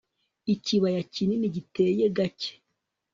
ikibaya kinini, giteye gake